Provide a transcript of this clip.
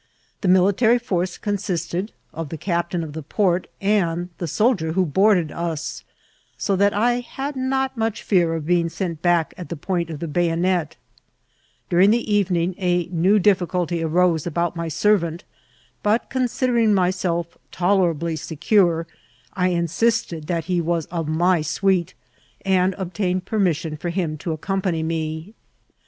l%e military force consisted of the captain of the pcvt and the soldier who boarded us, so that I had not much fear of being sent back at the point of the bayonet* Daring the evening a new difficulty arose about my ser vant; but, considering myself tolerably secure, I insisted that he was my suite, and obtained permission fer him to aooompany me.